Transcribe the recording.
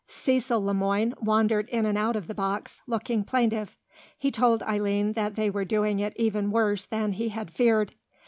Cecil Le Moine wandered in and out of the box, looking plaintive. He told Eileen that they were doing it even worse than he had feared.